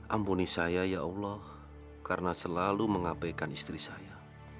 ampuni saya ya allah karena selalu mengabaikan istri saya